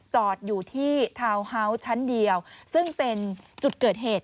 จอดอยู่ที่ทาวน์เฮาวส์ชั้นเดียวซึ่งเป็นจุดเกิดเหตุ